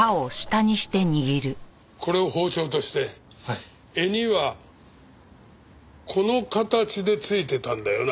これを包丁として柄にはこの形で付いてたんだよな？